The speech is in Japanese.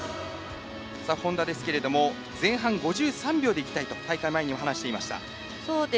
本多ですけども前半５３秒でいきたいと大会前に話していました。